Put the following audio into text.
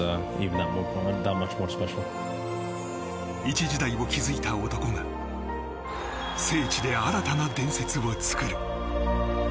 一時代を築いた男が聖地で新たな伝説を作る。